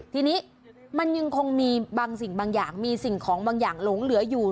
ทีนี้มันยังคงมีบางสิ่งบางอย่างมีสิ่งของบางอย่างหลงเหลืออยู่